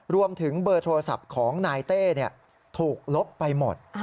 รวมถึงเบอร์โทรศัพท์ของนายเต้ถูกลบไปหมด